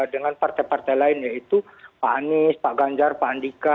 dengan partai partai lain yaitu pak anies pak ganjar pak andika